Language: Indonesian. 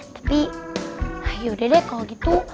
tapi ah yaudah deh kalau gitu